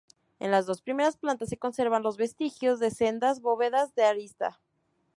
En las dos primeras plantas se conservan los vestigios de sendas bóvedas de arista.